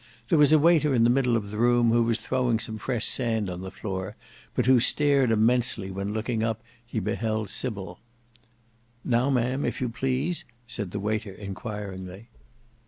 There was a waiter in the middle of the room who was throwing some fresh sand upon the floor, but who stared immensely when looking up he beheld Sybil. "Now, Ma'am, if you please," said the waiter inquiringly.